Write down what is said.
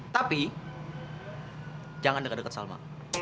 tapi jangan dekat dekat salma